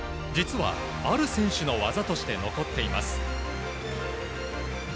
実は、ある選手の技として残っています。